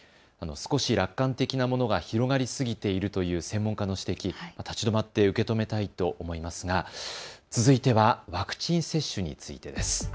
少し楽観的なものが広がりすぎているという専門家の指摘、立ち止まって受け止めたいと思いますが続いてはワクチン接種についてです。